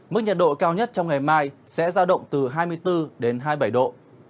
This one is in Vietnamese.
mức nhiệt độ cao nhất trong ngày mai sẽ ra động từ hai mươi bốn đến hai mươi bảy độ